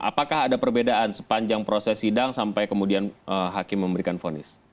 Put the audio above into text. apakah ada perbedaan sepanjang proses sidang sampai kemudian hakim memberikan fonis